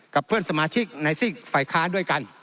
กับเพื่อนสมาชิกในซีกฝ่ายค้าด้วยกัน